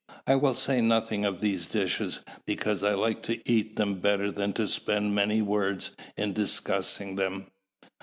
I will say nothing of these dishes, because I like to eat them better than to spend many words in discussing them.